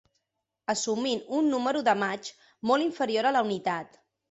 Assumint un número de Mach molt inferior a la unitat.